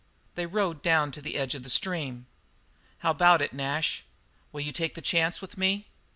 They rode down to the edge of the stream. "How about it, Nash, will you take the chance with me?"